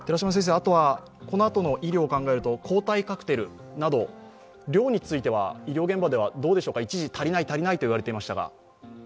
このあとの医療を考えると、抗体カクテルなど量については医療現場ではどうでしょうか、一時、足りない足りないと言われていましたが？